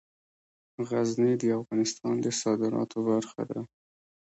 غزني د افغانستان د صادراتو برخه ده.